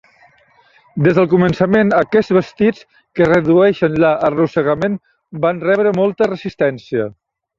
Des del començament, aquests vestits que redueixen l'arrossegament van rebre molta resistència.